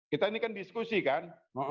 kita ini kan diskusi kan